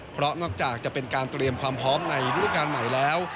เพราะนอกจากจะเป็นการเตรียมความพร้อมในฤดูการใหม่แล้ว